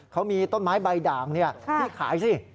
เขามีต้นไม้ใบด่างที่ขายสิ